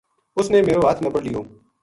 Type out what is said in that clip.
اُس نے میرو ہتھ نَپڑ لیو